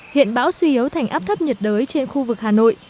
hiện bão suy yếu thành áp thấp nhiệt đới trên khu vực hà nội